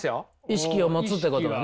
意識を持つってことがね。